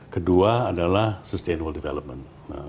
kedua adalah sustainable development